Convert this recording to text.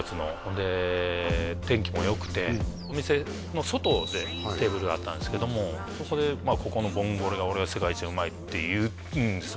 で天気もよくてお店の外でテーブルがあったんですけどもそこでここのボンゴレがって言うんですよ